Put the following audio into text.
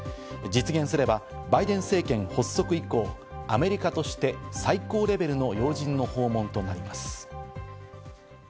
実現すればバイデン政権補足以降、アメリカとして最高レベルの要人の訪問となります。